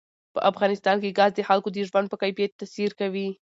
په افغانستان کې ګاز د خلکو د ژوند په کیفیت تاثیر کوي.